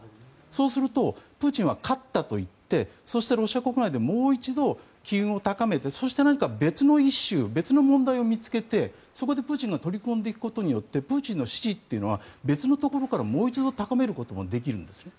そうすると、プーチンは勝ったと言ってそしてロシア国内でもう一度、機運を高めてそして何か別のイシュー別の問題を見つけてそこでプーチンが取り込んでいくことによってプーチンの支持というのは別のところからもう一度高めることができるんですね。